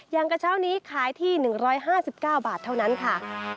อย่างกระเช้านี้ขายที่๑๕๙บาทเท่านั้นค่ะ